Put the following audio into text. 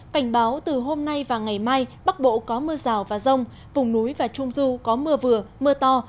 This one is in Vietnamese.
cảnh báo từ hôm nay và ngày mai bắc bộ có mưa rào và rông vùng núi và trung du có mưa vừa mưa to